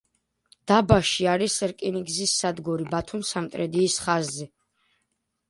დაბაში არის რკინიგზის სადგური ბათუმ—სამტრედიის ხაზზე.